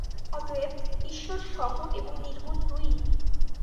অতএব ঈশ্বর সগুণ এবং নির্গুণ দুই-ই।